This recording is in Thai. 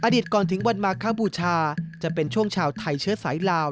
ก่อนถึงวันมาคบูชาจะเป็นช่วงชาวไทยเชื้อสายลาว